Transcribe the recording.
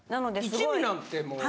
一味なんてもう。